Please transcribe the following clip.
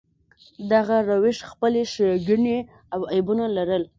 دغه روش خپلې ښېګڼې او عیبونه لرل.